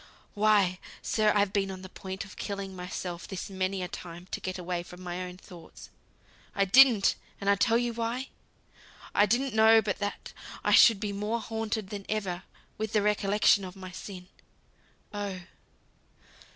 "Why, sir, I've been on the point of killing myself this many a time to get away from my own thoughts. I didn't! and I'll tell you why. I didn't know but that I should be more haunted than ever with the recollection of my sin. Oh!